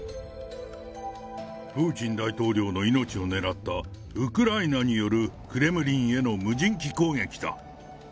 プーチン大統領の命を狙ったウクライナによるクレムリンへの無人機攻撃だ。